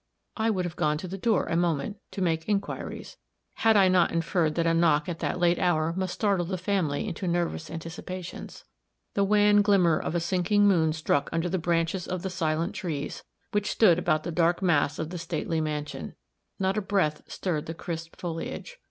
I would have gone to the door a moment, to make inquiries, had I not inferred that a knock at that late hour must startle the family into nervous anticipations. The wan glimmer of the sinking moon struck under the branches of the silent trees, which stood about the dark mass of the stately mansion; not a breath stirred the crisp foliage.